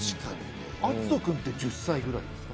篤斗君って１０歳ぐらいですか？